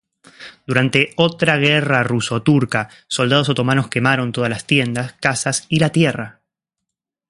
Durante otra guerra ruso-turca, soldados otomanos quemaron todas las tiendas, casas y la tierra.